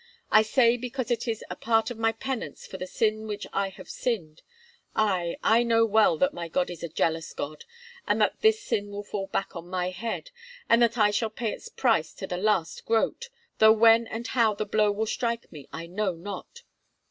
I say because it is a part of my penance for the sin which I have sinned. Aye, I know well that my God is a jealous God, and that this sin will fall back on my head, and that I shall pay its price to the last groat, though when and how the blow will strike me I know not.